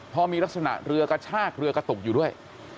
พอมีลักษณะเรือกระชากเรือกระตุกอยู่ด้วย